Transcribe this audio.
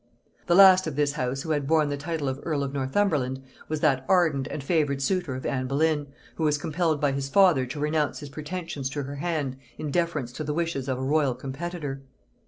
The last of this house who had borne the title of earl of Northumberland was that ardent and favored suitor of Anne Boleyn, who was compelled by his father to renounce his pretensions to her hand in deference to the wishes of a royal competitor.